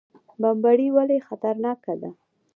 بمبړې ولې خطرناکه ده؟